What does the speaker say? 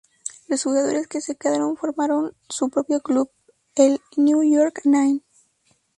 Los jugadores que se quedaron formaron su propio club, el ""New York Nine"".